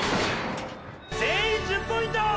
全員１０ポイント！